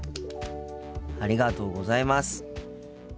ありがとうございます。